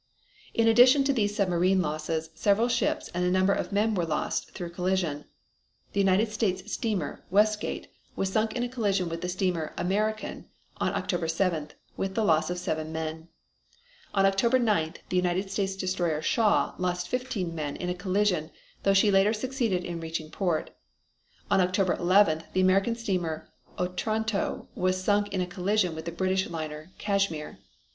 In addition to these submarine losses several ships and a number of men were lost through collision. The United States steamer Westgate was sunk in a collision with the steamer American on October 7th, with the loss of seven men. On October 9th the United States destroyer Shaw lost fifteen men in a collision, though she later succeeded in reaching port. On October 11th the American steamer Otranto was sunk in a collision with the British liner Cashmere.